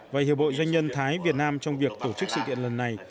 và hiệp hội doanh nhân thái việt nam trong việc tổ chức sự kiện lần này